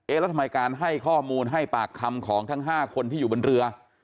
แล้วทำไมการให้ข้อมูลให้ปากคำของทั้ง๕คนที่อยู่บนเรือ